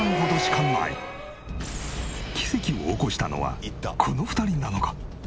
奇跡を起こしたのはこの２人なのか？